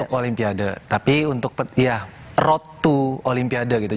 olimpiade tapi untuk ya road to olimpiade gitu